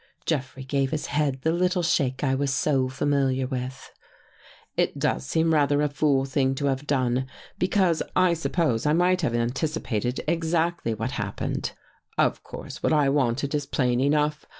" Jeffrey gave his head the little shake I was so familiar with. " It does seem rather a fool thing to have done, because I suppose I might have anticipated exactly 155 THE GHOST GIRL what happened. Of course what I wanted Is plain enough.